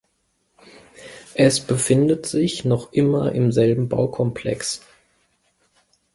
Es befindet sich noch immer im selben Baukomplex.